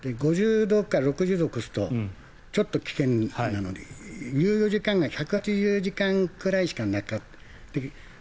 ５０度か６０度を超すとちょっと危険なので猶予時間が１８０時間くらいしかなかった。